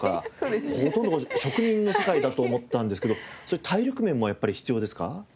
ほとんど職人の世界だと思ったんですけど体力面もやっぱり必要ですか？